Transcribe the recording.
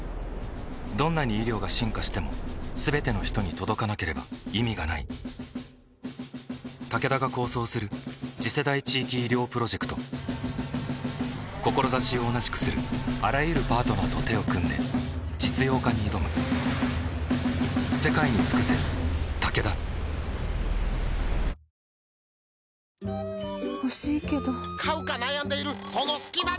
どんなに医療が進化しても全ての人に届かなければ意味がないタケダが構想する次世代地域医療プロジェクト志を同じくするあらゆるパートナーと手を組んで実用化に挑む鶴太郎さんの１番ランキング